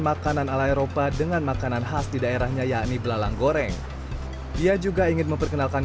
makanan ala eropa dengan makanan khas di daerahnya yakni belalang goreng dia juga ingin memperkenalkan